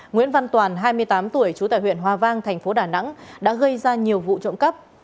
nguyễn văn toàn hai mươi tám tuổi trú tại huyện hòa vang thành phố đà nẵng đã gây ra nhiều vụ trộm cắp